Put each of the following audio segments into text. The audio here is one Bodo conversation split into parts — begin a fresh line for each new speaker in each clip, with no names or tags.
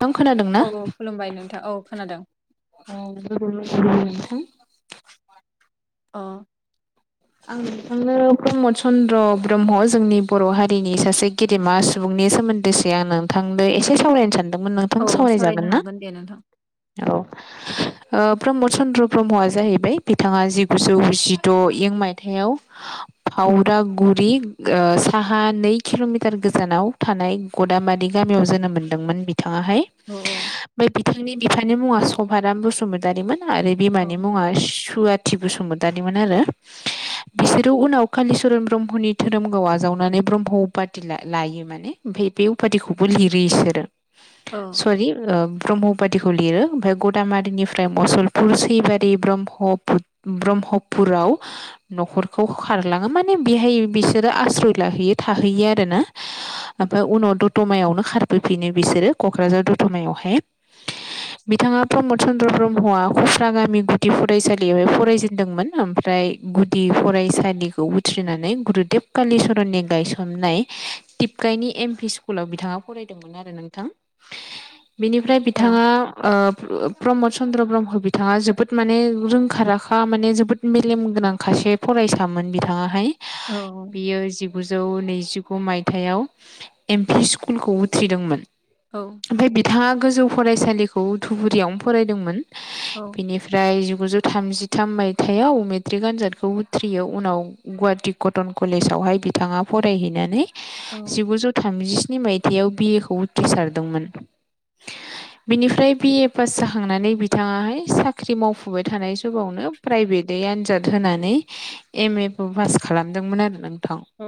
नोंथां खोनादों ना
औ औ खुलुमबाय नोंथां औ खोनादों
औ- होम-
अ।
आं नोंथांनो प्रमद चन्द्र'ब्रह्म जोंनि बर' हारिनि सासे गेदेमा सुबुं। बे सोमोन्दैसो आं नोंथांदो एसे सावरायनो सानदों। उममोन नोंथां
औ सावरायनो
सावरायजागोन ना
हागोन दे नोंथां
औ। ओ प्रम'द चन्द्र ब्रह्मआ जाहैबाय बिथाङा जिगुजौ जिद' इं माइ- थायाव फावरागुरि ओ साहा नै खिल'मिटार गोजानाव थानो- नाय गदामादि गामियाव जोनोम मोनदोंमोन बि- बिथाङाहाय
औ
ओमफाय बिथांनि बिफानि मुङा सभाराम बसुमतारिमोन। आरो
औ
बिमानि मुङा सुवाथि बसुमतारिमोन आरो- बिसोरो उनाव कालिच'रन ब्रह्मनि धोरोम गाव आजावनानै ब्रह्म उपाटि ला-लायो माने ओमफाय- बे उपातिखौबो लिरो इसोरो
औ
सरि ओ ब्रह्म- उपातिखौ लिरो ओमफाय गदामादिनिफ्राय मसलपुर सैबारि ब्रह्मपुत ब्रह्मपुराव- न'खरखौ खारलाङो माने बेहाय बेसोरो आस्रय लाहैयो थाहैयो आरो ना। ओमफाय उनाव दथमायावनो खारबोफिनो बिसोरो क'क्राझार दथमायावहाय। बिथाङा प्रमद चन्द्र ब्रह्मआ उफ्रागामि गुदि फरायसालियावहाय फरायजेनदोंमोन ओमफ्राय- गुदि फरायसालिखौ उथ्रिनानै गुरुदेब कालिचरननि गायसननाय- टिपकाइनि एम पि स्कुलाव बिथाङा फरायदोंमोन आरो नोंथां। बिनिफ्राय
औ
बिथाङा ओम- ओ प्रमद चन्द्र'ब्रह्म बिथाङा जोबोद माने रोंखा-राखा माने जोबोद मेलेम गोनां। खासे फरायसामोन बिथाङाहाय
औ
बियो जिगुजौ नैजि- जिगु मायथाइआव एम पि स्कुलखौ उथ्रिदोंमोन।
औ
ओमफाय बिथाङा गोजौ फरायसालिखौ धुबुरियावनो फरायदोंमोन।
औ
बिनिफ्राय जिगुजौ थामजिथाम मायथाइयाव मेट्रिक आनजाद। खौ उथ्रियो उनाव गुवाहाटि कटन कलेजावहाय बिथाङा फरायहैनानै- जिगुजौ थामजिस्नि मायथायाव बि ए खौ उथ्रिसारदोंमोन। बिनिफ्राय बि ए पास जाखांनानै बिथाङाहाय साख्रि मावफुबाय थानाय सबावनो- प्राइभेटयै आनजाद होनानै एम ए बो पास खालामदोंमोन आरो ना।
औ।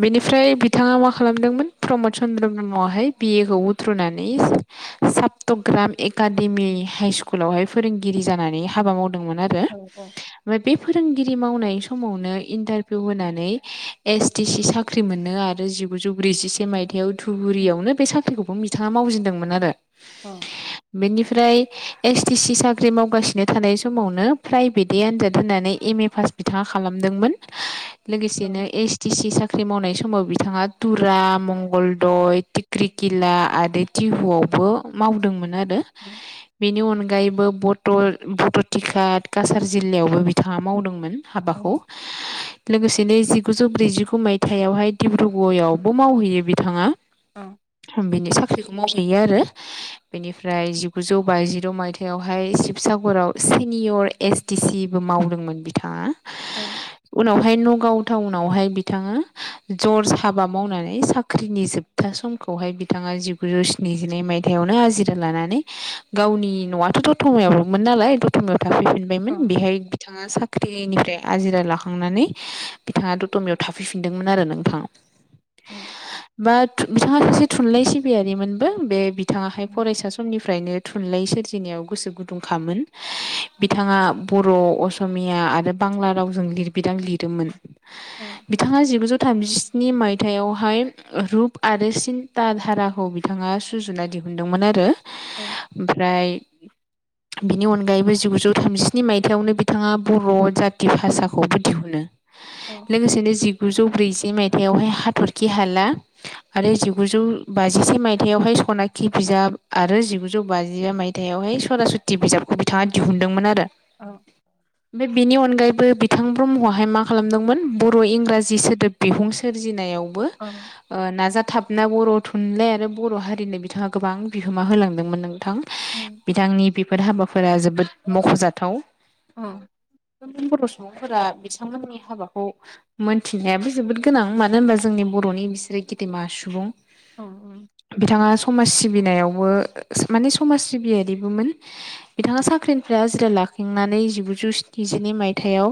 बेनिफ्राय बिथाङा मा खालामदोंमोन प्रमद चन्द्रब्रह्मआ हाय बि ए खौ उथ्रनानै- सात्तग्राम एकाडेमि हाइ स्कुलावहाय फोरोंगिरि जानानै हाबा मावदों। नोंमोन आरो-
औ औ
ओमफ्राय बे फोरोंगिरि मावनाय समावनो इन्टारभिउ होनानै एस टि सि साख्रि मोनो आरो- जिगुजौ ब्रैजिसे मायथाइयाव धुबुरियावनो बे साख्रिखौबो बिथांङा मावजेनदोंमोन आरो। बेनिफ्राय- एस टि सि साख्रि मावगासिनो थानाय समावनो प्राइभेटयै आनजाद- दोननानै एम ए पास बिथांङा खालामदोंमोन लोगोसेनो एस टि सि साख्रि मावनाय सम- समाव बिथाङा तुरा मंगलदय टिक्रिकिला आरो टिहुआवबो- मावदोंमोन आरो बेनि अनगा अनगायैबो बटल बटटिकात कासार जिल्लायावबो बिथांङा मावदोंमोन हाबाखौ लोगोसे दिनै जिगुजौ ब्रैजिगु मायथाइयावहाय दिडिब्रुगयआवबो मावहैयो बिथांङा
औ
बिनि साख्रिखौ मावहैयो आरो बेनिफ्राय जिगुजौ बाजिद मायथाइावहाय शिबसाग बराव सेनियर एस डि सि मावदोंमोन बिथांङा उनावहाय नगाव टाउनावहाय बिथाङा जर्ज हाबा मावनानै साख्रिनि जोबथा समखौहाय बिथांङा जिगुजौ स्निजिनै मायथाइावनो आजिरा लानानै गावनि नआथ दथमायावमोन नालाय दथमायाव थाफैफिनबायमोन बेहाय बिथाङा साख्रिनिफ्राय आजिरा लाखांनानै बिथाङा दतमायाव थाफैफिनदोंमोन आरो नोंथां
उम
बा बिथांङा सासे थुनलाइ सिबियारिमोनबो बे बिथाङाहाय फरायसा समनिफ्राइ फ्रायनो थुनलाइ सोरजिनायाव गोसो गुदुंखामोन बिथांङा बर असमिया आरो बांला रावजों लिरबिदां लिरोमोन बिथांङा जिगुजौ थामजि स्नि मायथायावहाय रुप आरो सिन्ता धाराखौ बिथांङा सुजुना दिहुन्दोंमोन आरो ओमफ्राय बिनि अनगायैबो जिगुजौ थामजिस्नि मायथायावनो बि बिथाङा बर जाति भाषाखौबो दिहुनो लोगोसेनो जिगुजौ ब्रैजि बै मायथाइावहाय हाथरखि हाला आरो जिगुजौ बाजिसे मायथायावहाय सनाखि बिजाब बिजाब आरो जिगुजौ बाजिबा मायथायावहाय सरासति बिजाबखौ बिथांङा दिहुनदोंमोन आरो
औ
ओमफ्राय बिनि अनगायैबो बिथां ब्रह्मआहाय मा खालामदोंमोन बर इंराजि सोदोब बिहुं सोरजिनायाव बो ओ नाजाथाब ना बर थुनलाइ आरो बर हारिनो बिथांङा गोबां बिहोमा होलांदोंमोन नोंथां बिथांनि बेफोर हाबाफोरा जोबोद मखजाथाव
औ
बर सुबुंफोरा बिथांमोननि हाबाखौ मोनथिनायाबो जोबोद गोनां मानो होनबा जोंनि बर बरनि बिसोरो गेदेमा सुबुं बिथांङा समाज सिबिनायावबो माने समाज सिबियारिबोमोन बिथांङा साख्रिनिफ्राय हाजिरा लाखांना नै जिगुजौ स्निजिनै मायथाइाव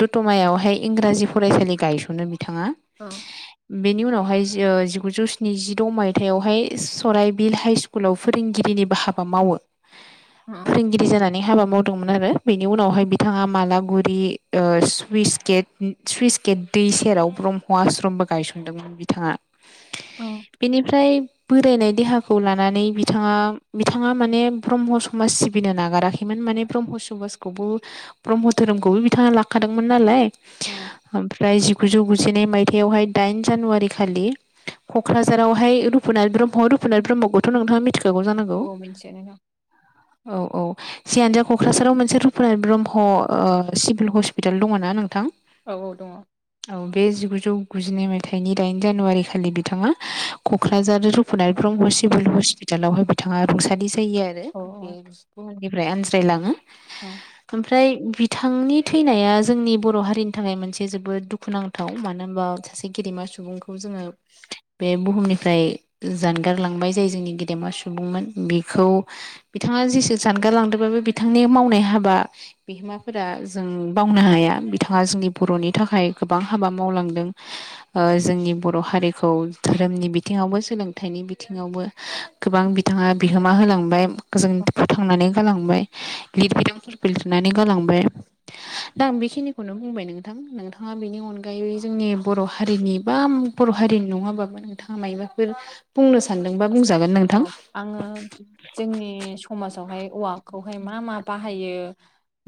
दतमायावहाय इंराजि फरायसालि गायसनदोंमोन बिथांङा
औ
बेनि उनावहाय ओ जिगुजौ स्निजिद मायथाइयावहाय सराइबिल हाइ स्कुलाव फोरोंगिरिनिबो हाबा मावो फोरोंगिरि जानानै हाबा मावदोंमोन आरो बे नि उनावहाय बिथांङा मालागुरि सुइस गेट सुइस गेट दै सेराव ब्रह्म ह आश्रमबो गायसनदोंमोन बिथांङा
औ
बेनिफ्राय बोरायनाय देहाखौ लानानै बिथांङा बिथांङा माने ब्रह्म समाज सिबिनो नागाराखैमोन माने ब्रह्म सुभास खौबो ब्रह्मधोरोमखौबो बिथांङा लाखादोंमोन नालाय
औ
ओमफ्राय जिगुजौ गुजिगु जिनै मायथाइयावहाय दाइन जानुवारि खालि कक्राझारावहाय रुपुनाथ ब्रह्म रुपुनाथ ब्रम्ह खौथ नोंथाङा मिन्थि
अ मिनथियो‌ नो ना
औ औ जियानोजा कक्राझाराव मोनसे पनात ब्रह्म ओ सिभिल हस्पिटाल दङ ना नोंथां
औ औ दङ
औ बे जिगुजौ गुजिनै मायथाइनि दाइन जानुवारि खालि बिथाङा कक्राझार रुपुनाथ ब्रह्म सिभिल हस्पिटालावहाय बिथाङा रुंसारि जायो आरो
औ
बे बुहुमनिफ्राय आनज्रायलाङो
औ
ओमफ्राय बिथांनि थैनाया जोंनि बर हारिनि थाखाय मोनसे जोबोद दुखुनांथाव मानो होनबा सासे गेदेमा सुबुंखौ जोङो बे बुहुमनिफ्राय जानगारलांबाय जायो जोंनि गेदेमा सुबुंमोन बेखौ बिथाङा जेसे जानगार लांदोंबाबो बिथांनि मावनाय हाबाया हाबा बिहोमाफोरा जों बावनो हाया बिथाङा जोंनि बरनि थाखाय गोबां हाबा मावलांदों ओ जोंनि बर हारिखौ धोरोमनि बिथिङावबो सोलोंथाइनि बिथिङावबो गोबां बिथाङा बिहोमा होलांबाय गोजों
औ
फोथांनानै गालांबाय लिरबिदां लिरनानै गालांबाय दा आं बेखिनिखौनो बुंबाय नोंथां नोंथाङा बेनि अनगायै जोंनि बर हारिनि बा बर हारिनि नङाबाबो नोंथाङा मायबाफोर बुंनो सानदों
औ आङो जोंनि समाजावहाय औवाखौहाय मा मा बा हायो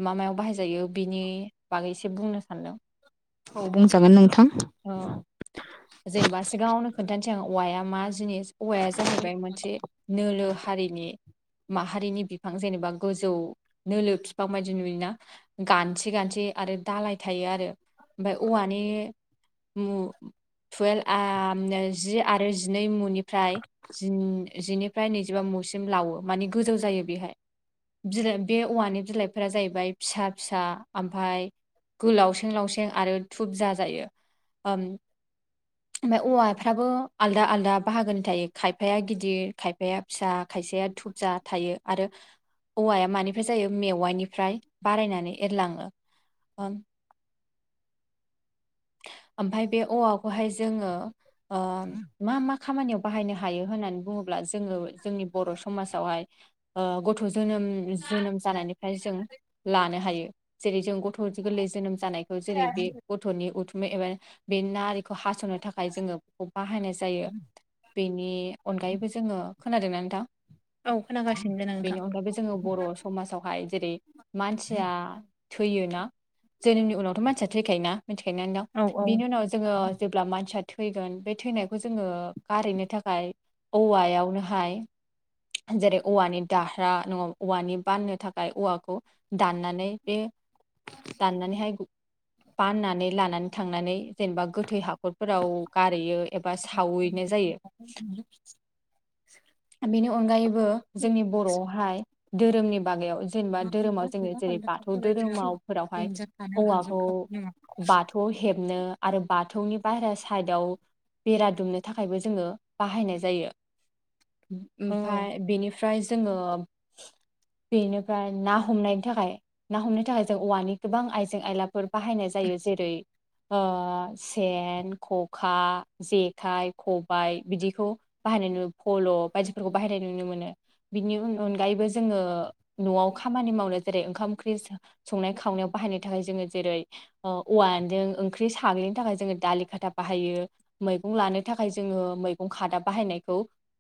मा मा मायाव बाहायजायो बिनि बागै एसे बुंनो सानदों
औ बुंजागोन नोंथां
अ जेनेबा सिगाङावनो खोन्थानोसै आं औवाया मा जिनिस औवाया जाहैबाय मोनसे नोलो हारिनि माहारिनि बिफां जेनेबा गोजौ नोलो फिफां बायदि नुयोना गानथि गानथि आरो दालाय थायो आरो ओमफ्राय औवानि टुवेल्भ आमनो जि आरो जिनै मुनिफ्राय जिनिफ्राय नैजिबा मु सिम लावो मानि गोजौ जायो बेहाय बिलाइ बे औवानि बिलाइफोरा जाहैबाय फिसा फिसा आमफाय गोलावसें लावसें आरो धुब जाजायो ओम ओमफाय औवाफ्राबो आलदा आलदा बाहागोनि थायो खायफाया गिदिर खायफाया फिसा खाय थायसेया धुबजा थायो आरो औवाया मानिफ्राय जायो मेवाइनिफ्राय बारायनानै एरलाङो ओम ओमफाय बे औवाखौहाय जोङो मा मा खामानियाव बाहायनो हायो होननानै बुङोब्ला जोङो जोंनि बर समाजावहाय गथ‌ जोनोम जोनोम जानायनिफ्राय जों लानो हायो जेरै जों गथ गोरलै जोनोम जानायखौ जेरै बे गथनि एबा बेनि नारिखौ बेखौ हासनो थाखाय जोङो बेखौ बाहायनाय जायो बेनि अनगायैबो जोङो गोबां खोनादोंना नोंथां
औ खोनादों
बेनि अनगायैबो जोङो बर समाजावहाय जेरै मानसिया थैयोना जोनोमनि उनावथ मानसिया थैखायोना मिथिखायोना
औ
दा
औ
बिनि उनाव जोङो जेब्ला मानसिया थैगोन बे थैनायखौ जोङो गारहैनो थाखाय औवायावनोहाय
[inaudible]
जेरै औवानि दाह्रा नङाब्ला औवानि बाननो थाखाय औवाखौ दाननानै बे दाननानैहाय बाननानै लानानै थांनानै जेनेबा गोथै हाखरफोराव गारहैयो एबा सावैनाय जायो बेनि अनगायैबो जोंनि बर आवहाय धोरोमनि बागै जेनेबा धोरोमाव जोंङो जेरै बाथौ धोरोमाव फोरावहाय औवाखौ बाथौ हेबनो आरो बाथौनि बायहेरा साइदाव बेरा दुमनो थाखायबो जोङो बाहायनाय जायो ओमफाय बेनिफ्राय जोङो बेनिफ्राय ना हमनायनि थाखाय ना हमनायनि थाखाय जों औवानि गोबां आइजें आइलाफोर बाहायनाय जायो जेरै ओ सेन खखा जेखाइ खबाय बिदिखौ बाहायनाय नुयो फल बायदिफोरखौ बाहायनाय नुनो मोनो बिनि अनगायैबो जोङो नआव खामानि मावनो जेरै ओंखाम ओंख्रि संनाय खावनायाव बाहायनो थाखाय जोङो जेरै ओ अवान ओंख्रि साग्लिनो थाखाय जोङो दालि खाथा बाहायो मैगं लानो थाखाय जोङो मैगं खादा बाहायनाय खौ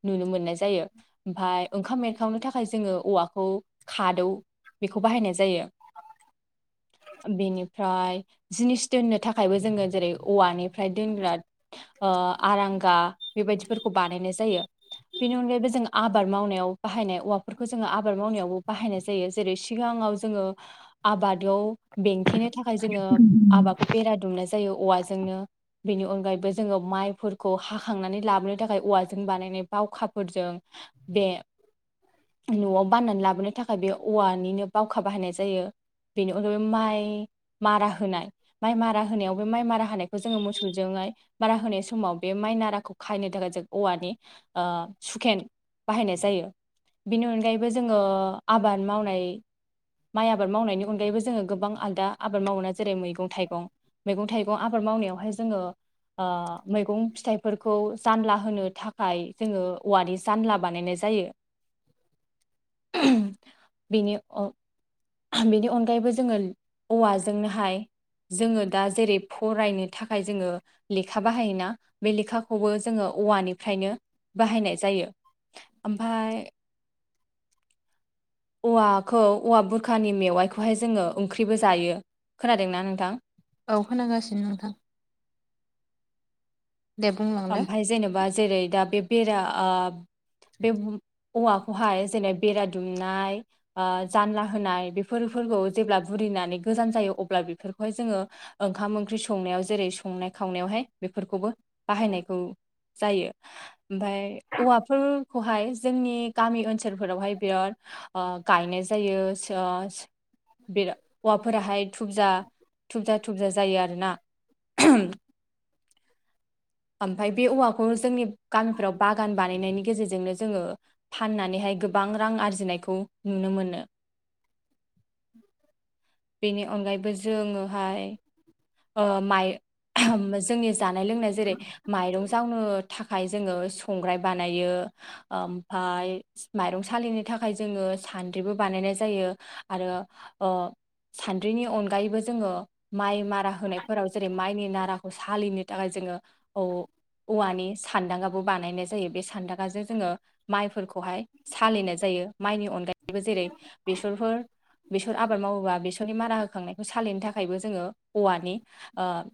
नुनो मोननाय जायो ओमफाय ओंखाम एरखावनो थाखाय जोङो औवाखौ खादौ बेखौ बाहायनाय जायो। बेनिफ्राय जिनिस दोननो थाखायबो जोङो जेरै औवानिफ्राय दोनग्रा ओ आरांगा बेबायदिफोरखौ बानायनाय जायो बेनि अनगायैबो जों आबाद मावनायाव बाहायनाय औवाफोरखौ जोङो आबाद मावनायावबो बाहायनाय जायो। जेरै सिगाङाव जोङो आबादाव बेंथेनो थाखाय जोङो आबादखौ बेरा दुमनाय जायो औवाजोंनो बेनि अनगायैबो जोङो मायफोरखौ हाखांनानै लाबोनो थाखाय औवाजों बानाय नाय बावखाफोरजों बे न'आव बाननानै लाबोनो थाखाय बे औवानिनो बावखा बाहायनाय जायो। बेनि अनगायै माय मारा होनाय। माय मारा होनायाव बे माय मारा होनायखौ जोङो मोसौजोंहाय मारा होनाय समाव बे माय नाराखौ खायनो द जों औवानि ओ सुखेन बाहायनाय जायो। बेनि अनगायैबो जोङो आबाद मावनाय माय आबाद मावनायनि अनगायैबो जोङो गोबां आलदा आबाद मावोना जेरै मैगं। थायगं मैगं थायगं आबाद मावनायावहाय जोङो ओ मैगं फिथायफोरखौ जानला होनो थाखाय जोङो औवानि जानला बानायनाय जायो। [unintelligible] बेनि अ बेनि अनगायैबो जोङो औवाजोंनोहाय जोङो दा जेरै फरायनो थाखाय जोङो लेखा बाहायोना बे लेखाखौबो जोङो औवानिफ्रायनो बाहायनाय जायो ओमफाय औवाखौ औवा बुरखानि मेवायखौहाय जोङो ओंख्रिबो जायो खोनादोंना नोंथां।
औ खोनागासिनो नोंथां दे बुंलांदो
ओमफाय जेनेबा जेरै दा बे बेरा आ बे औवाखौहाय जेरै बेरा दुमनाय आ जानला होनाय बेफोर फोरखौ जेब्ला बुरिनानै गोजान जायो अब्ला बेफोर खौहाय जोङो ओंखाम ओंख्रि संनायाव जेरै संनाय खावनायावहाय बेफोरखौबो बाहायनायखौ जायो ओमफाय औवाफोरखौहाय जोंनि गामि ओनसोलफोरावहाय बिराद ओ गायनाय जायो। बेरा औवाफोराहाय थुबजा थुबजा थुबजा जायो आरोना। [unintelligible] ओमफाय बे औवाखौ जोंनि गामिफोराव बागान बानायनायनि गेजेरजोंनो जोङो फाननानैहाय गोबां रां आरजिनायखौ नुनो मोनो। बेनि अनगायैबो जोङोहाय ओ माय जोंनि जानाय लोंनाय जेरै मायरं जावनो थाखाय जोङो संग्राय बानायो ओमफाय मायरं सालिनो थाखाय जोङो सानद्रिबो बानायनाय जायो आरो ओ सानद्रिनि अनगायैबो जोङो माय मारा होनायफोराव जेरै मायनि नाराखौ सालिनो थाखाय जोङो औ। औवानि सानदांगा बो बानायनाय जायो बे सानदांगाजों जोङो मायफोरखौहाय सालिनाय जायो। यो माइनि अनगायैबो जेरै बेसरफोर बेसर आबाद मावोबा बेसरनि मारा होखांनायखौ सालिनो थाखायबो जोङो औवा नि ओ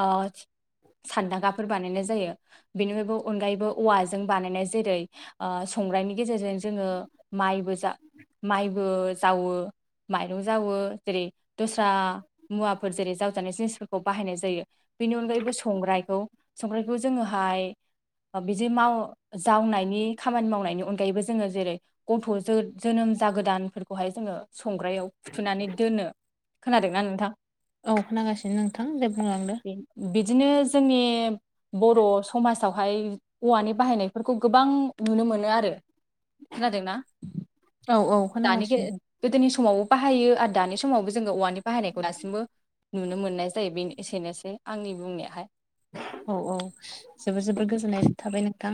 ओ सानदांगाफोर बानायनाय जायो बेनिफायबो अनगायैबो औवाजों बानायनाय जेरै ओ संग्रायनि गेजेरजों जोङो मायबो जा मायबो जावो मायरं जावो। जेरै दस्रा मुवाफोर जेरै जावजानाय जिनिसफोरखौ बाहायनाय जायो। बेनि अनगायैबो संग्रायखौ संग्रायखौ जोङोहाय आ बिदि माव जावनायनि खामानि मावनाय बेनि अनगायैबो जोङो जेरै गथ' जोनोम जागोदानफोरखौहाय जोङो संग्रायाव फुथुनानै दोनो खोनादोंना नोंथां
औ खोनागासिनो नोंथां जदे बुंलांदो
दिनो जोंनि बर' समाजावहाय औवानि बाहायनायफोरखौ गोबां नुनो मो मोनो आरो खोनादोंना?
औ औ
दानि
खोनागासिनो
गोदोनि समावबो बाहायो आरो दानि समावबो जोंङो औवानि बाहायनायखौ दासिमबो नुनो मोननाय जायो बे एसेनोसै आंनि बुंनायाहाय।
औ औ जोबोर जोबद गोजोननाय थाबाय नोंथां